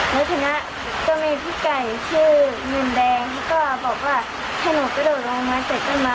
ในคณะก็มีพี่ไก่ชื่อหมื่นแดงที่ก็บอกว่าให้หนูกระโดกลงมาเสร็จต้นม้า